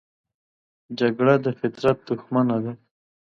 جګړه د فطرت دښمنه ده